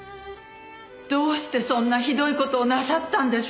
どうしてそんなひどい事をなさったんですか？